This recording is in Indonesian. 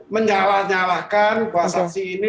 menyalah nyalahkan dua saksi ini